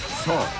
そう！